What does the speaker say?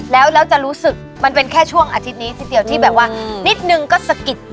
แล้วจะรู้สึกมันเป็นแค่ช่วงอาทิตย์นี้ทีเดียวที่แบบว่านิดนึงก็สะกิด